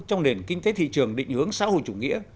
trong nền kinh tế thị trường định hướng xã hội chủ nghĩa